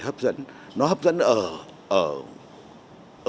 hấp dẫn nó hấp dẫn ở